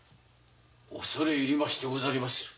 恐れ入りましてござりまする。